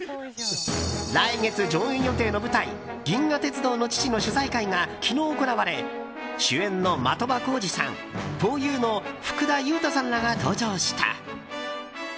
来月上演予定の舞台「銀河鉄道の父」の取材会が昨日行われ、主演の的場浩司さんふぉゆの福田悠太さんらが登場した。